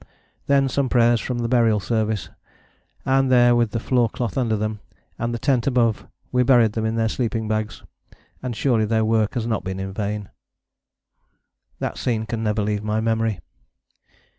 Then some prayers from the Burial Service: and there with the floor cloth under them and the tent above we buried them in their sleeping bags and surely their work has not been in vain. That scene can never leave my memory.